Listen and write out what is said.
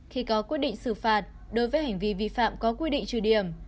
khi có quyết định xử phạt đối với hành vi vi phạm có quy định trừ điểm